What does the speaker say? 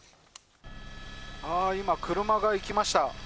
ああ、今、車が行きました。